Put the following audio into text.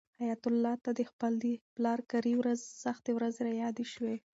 حیات الله ته د خپل پلار د کاري سختۍ ورځې رایادې شوې.